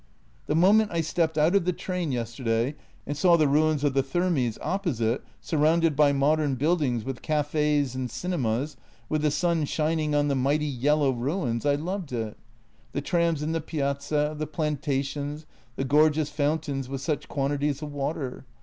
" The moment I stepped out of the train yesterday and saw the ruins of the Thermes opposite, surrounded by modern build ings with cafés and cinemas, with the sun shining on the mighty, yellow ruins, I loved it. The trams in the piazza, the planta tions, the gorgeous fountains with such quantities of water.